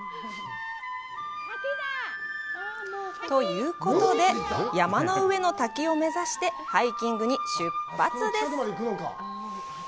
ということで、山の上の滝を目指してハイキングに出発です。